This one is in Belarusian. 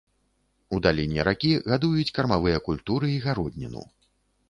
У даліне ракі гадуюць кармавыя культуры і гародніну.